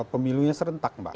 pemilunya serentak mbak